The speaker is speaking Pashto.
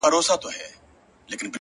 پرمختګ د عذرونو پای ته اړتیا لري!